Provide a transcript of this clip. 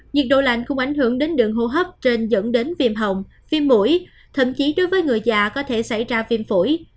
nhiệt độ lạnh không ảnh hưởng đến đường hô hấp trên dẫn đến viêm hồng viêm mũi thậm chí đối với người già có thể xảy ra viêm phổi